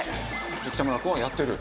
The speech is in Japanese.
北村くんはやってる？